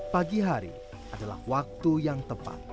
pagi hari adalah waktu yang tepat